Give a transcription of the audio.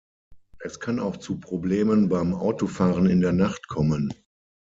Es kann auch zu Problemen beim Autofahren in der Nacht kommen.